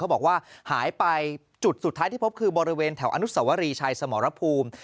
บอกว่าหายไปจุดสุดท้ายที่พบคือบริเวณแถวอนุสวรีชัยสมรภูมิ